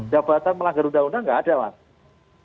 jabatan melanggar undang undang tidak ada